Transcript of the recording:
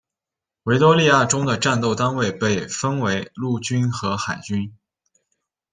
维多利亚中的战斗单位被分为陆军和海军。